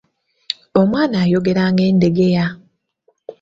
Omwana ayogera ng'endegeya.